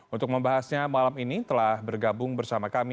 untuk membahasnya malam ini telah bergabung bersama kami